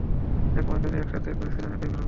এক মাস ধরে একসাথে ঘুরছিলাম একই গ্রুপে।